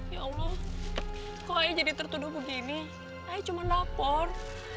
ya allah kok ayo jadi tertuduh begini ayo cuman lapor